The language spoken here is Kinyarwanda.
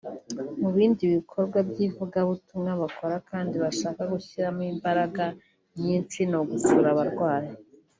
Mu bindi bikorwa by’ivugabutumwa bakora kandi bashaka gushyiramo imbaragaga nyinshi ni ugusura abarwayi